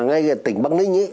ngay ở tỉnh bắc ninh